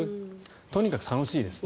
とにかく楽しいですね。